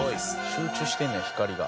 集中してんねや光が。